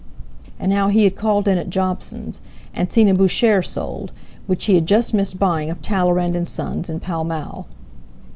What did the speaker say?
And how he had called in at Jobson's, and seen a Boucher sold, which he had just missed buying of Talleyrand and Sons in Pall Mall.